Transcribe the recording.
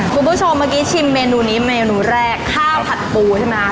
คุณผู้ชมเมนูนี้เมนูแรกข้าวผัดปูใช่ไหม